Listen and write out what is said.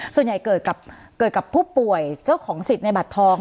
ส่วนใหญ่เกิดกับผู้ป่วยเจ้าของสิทธิ์ในบัตรทอง